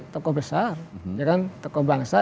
tokoh besar ya kan tokoh bangsa